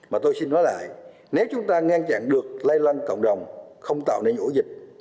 mà tôi xin nói lại nếu chúng ta ngăn chặn được lây lan cộng đồng không tạo nên ổ dịch